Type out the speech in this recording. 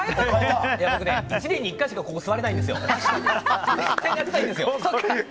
僕ね、１年に１回しかここ座れないんですよ。